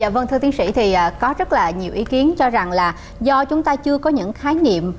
vâng thưa tiến sĩ có rất nhiều ý kiến cho rằng do chúng ta chưa có những khái niệm